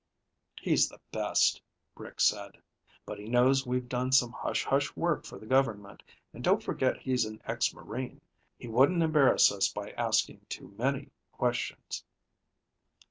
"He's the best," Rick said. "But he knows we've done some hush hush work for the government, and don't forget he's an ex Marine. He wouldn't embarrass us by asking too many questions."